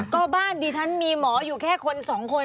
ก็บ้านดิฉันมีหมออยู่แค่คนสองคน